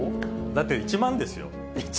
だって、１万ですよ。